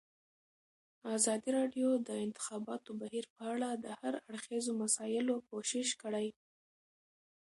ازادي راډیو د د انتخاباتو بهیر په اړه د هر اړخیزو مسایلو پوښښ کړی.